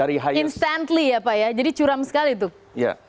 instantly ya pak ya jadi curam sekali tuh